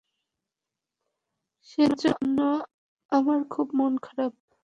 সেজন্য আমার খুব মন খারাপ।